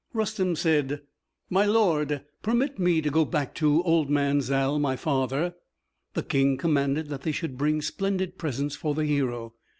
Rustem said, "My lord, permit me to go back to the old man Zal, my father." The King commanded that they should bring splendid presents for the hero.